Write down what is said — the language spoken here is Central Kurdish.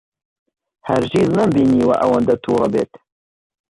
هەرگیز نەمبینیوە ئەوەندە تووڕە بێت.